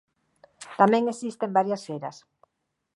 Tamén existen varias eras.